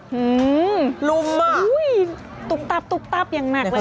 หือลุมอะอุ้ยตุ๊กตับอย่างหนักเลยเนี่ย